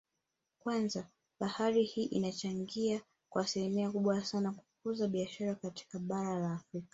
Kwanza bahari hii inachangia kwa asilimia kubwa sana kukuza biashara katika bara la Afrika